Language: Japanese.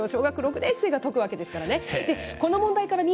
それを小学６年生が解くわけですからね。